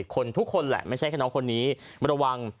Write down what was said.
คนทุกคนแหละไม่ใช่แค่น้องคนนี้ระวัง